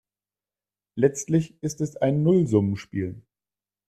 Letztlich ist es ein Nullsummenspiel.